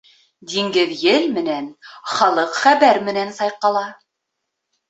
Диңгеҙ ел менән, халыҡ хәбәр менән сайҡала.